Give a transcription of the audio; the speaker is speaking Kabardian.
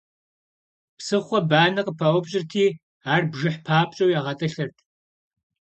Псыхъуэ банэ къыпаупщӀырти, ар бжыхь папщӀэу ягъэтӀылъырт.